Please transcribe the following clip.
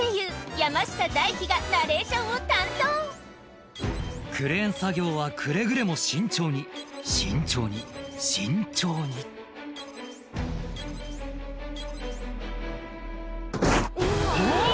山下大輝がナレーションを担当クレーン作業はくれぐれも慎重に慎重に慎重にうわ！